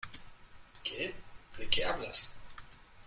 ¿ Qué? ¿ de qué hablas ?